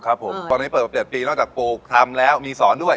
ครับผมตอนนี้เปิดมา๗ปีนอกจากปลูกทำแล้วมีสอนด้วย